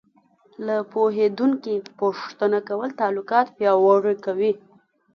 له پوهېدونکي پوښتنه کول تعلقات پیاوړي کوي.